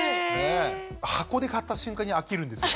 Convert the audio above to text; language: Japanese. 箱で買った瞬間に飽きるんですよ。